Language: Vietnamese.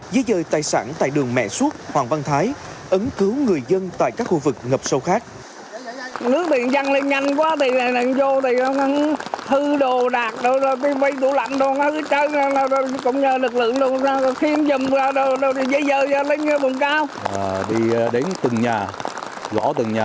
giấy dơi tài sản tại đường mẹ suốt hoàng văn thái ấn cứu người dân tại các khu vực ngập sâu khác